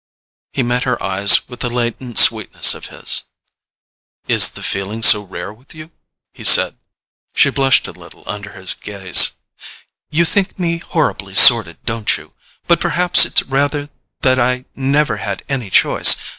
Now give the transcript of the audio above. He met her eyes with the latent sweetness of his. "Is the feeling so rare with you?" he said. She blushed a little under his gaze. "You think me horribly sordid, don't you? But perhaps it's rather that I never had any choice.